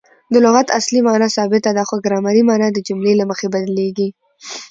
د لغت اصلي مانا ثابته ده؛ خو ګرامري مانا د جملې له مخه بدلیږي.